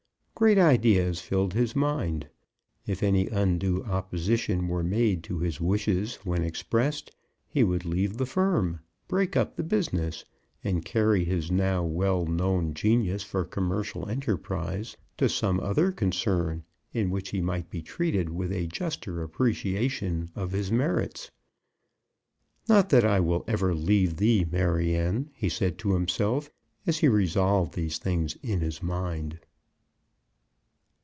Great ideas filled his mind. If any undue opposition were made to his wishes when expressed, he would leave the firm, break up the business, and carry his now well known genius for commercial enterprise to some other concern in which he might be treated with a juster appreciation of his merits. "Not that I will ever leave thee, Maryanne," he said to himself, as he resolved these things in his mind.